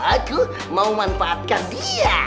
aku mau manfaatkan dia